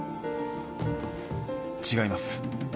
違います